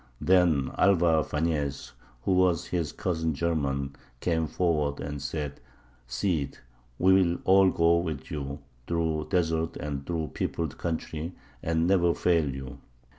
Then Alvar Fañez, who was his cousin german, came forward and said, Cid, we will all go with you, through desert and through peopled country, and never fail you.